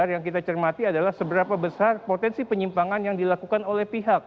yang kita cermati adalah seberapa besar potensi penyimpangan yang dilakukan oleh pihak